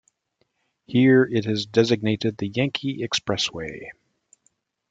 Here it is designated the Yankee Expressway.